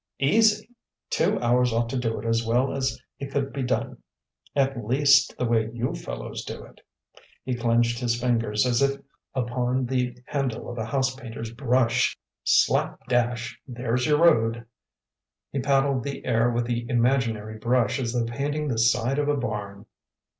"Easy! Two hours ought to do it as well as it could be done at least, the way you fellows do it!" He clenched his fingers as if upon the handle of a house painter's brush. "Slap, dash there's your road." He paddled the air with the imaginary brush as though painting the side of a barn.